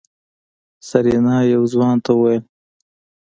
سېرېنا يو ځوان ته وويل.